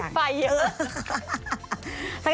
ฟอนต์ไฟเยอร์